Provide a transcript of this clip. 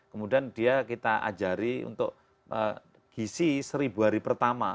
kemudian dia kita ajari untuk gisi seribu hari pertama